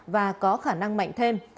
và có khả năng mạnh thêm